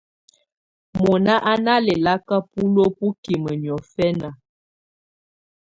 Mɔnà à na lɛ̀laka buluǝ́ bukimǝ niɔ̀fɛna.